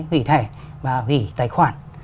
hủy thẻ và hủy tài khoản